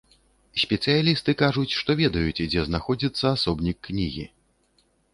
Спецыялісты кажуць, што ведаюць, дзе знаходзіцца асобнік кнігі.